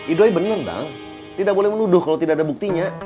idoi bener bang tidak boleh menuduh kalau tidak ada buktinya